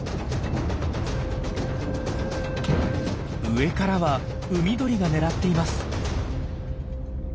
上からは海鳥が狙っています。